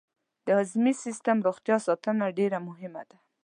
د هضمي سیستم روغتیا ساتنه ډېره مهمه ده.